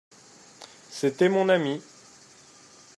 C’était mon ami.